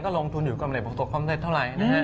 ก็ลงทุนอยู่กว่าเมื่อ๖ตัวความเท็จเท่าไร